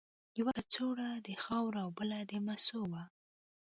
یوه کڅوړه د خاورو او بله د مسو وه.